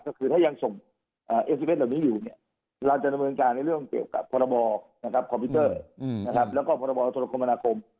ก็คือถ้ายังส่งเอสซิเวสเหล่านี้อยู่เนี่ยเราจะดำเนินการในเรื่องเกี่ยวกับพรบคอมพิวเตอร์แล้วก็พรบธรคมนาคม